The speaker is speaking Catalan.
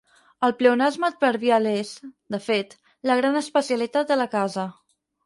El pleonasme adverbial és, de fet, la gran especialitat de la casa.